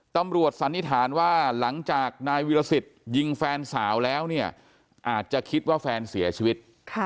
สันนิษฐานว่าหลังจากนายวิรสิตยิงแฟนสาวแล้วเนี่ยอาจจะคิดว่าแฟนเสียชีวิต